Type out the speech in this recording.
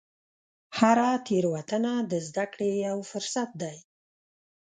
هره تېروتنه د زده کړې یو فرصت دی.